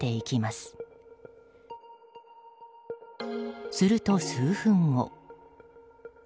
すると、数分後。